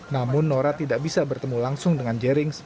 namun nora tidak bisa bertemu langsung dengan jerings